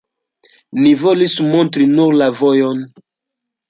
Ni volis montri nur la vojon.